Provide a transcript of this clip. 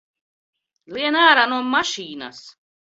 Lien ārā no mašīnas!